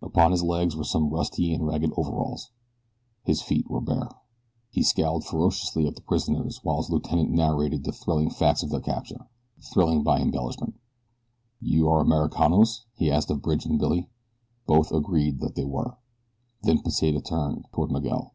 Upon his legs were some rusty and ragged overalls. His feet were bare. He scowled ferociously at the prisoners while his lieutenant narrated the thrilling facts of their capture thrilling by embellishment. "You are Americanos?" he asked of Bridge and Billy. Both agreed that they were. Then Pesita turned toward Miguel.